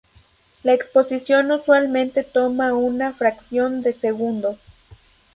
La exposición usualmente toma una fracción de segundo.